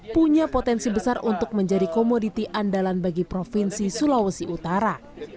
punya potensi besar untuk menjadi komoditi andalan bagi provinsi sulawesi utara